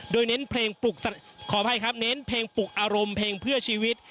โดยเน้นเพลงปลุกอารมณ์เพื่อชีวิต